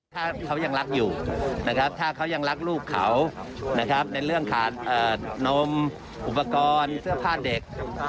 ถ้าเขายังรักอยู่นะครับถ้าเขายังรักลูกเขานะครับในเรื่องขาดนมอุปกรณ์เสื้อผ้าเด็ก